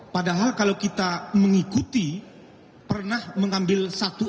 padahal kalau kita mengikuti pernah mengambil satu dua sks